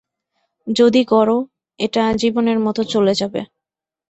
যদি করো, এটা আজীবনের মতো চলে যাবে।